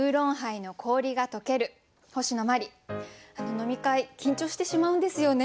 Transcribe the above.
飲み会緊張してしまうんですよね。